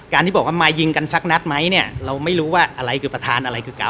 ที่บอกว่ามายิงกันสักนัดไหมเนี่ยเราไม่รู้ว่าอะไรคือประธานอะไรคือเก่า